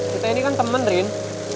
kita ini kan temen rin